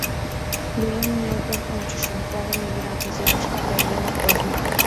Вуем ниялтен ончышым — пуалме верат изи лашка гай веле кодын.